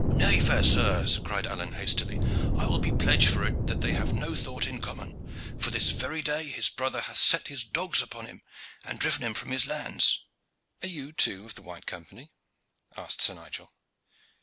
"Nay, fair sir," cried Aylward hastily, "I will be pledge for it that they have no thought in common; for this very day his brother hath set his dogs upon him, and driven him from his lands." "And are you, too, of the White Company?" asked Sir Nigel.